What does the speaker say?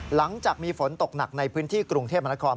หลังจากมีฝนตกหนักในพื้นที่กรุงเทพมนาคม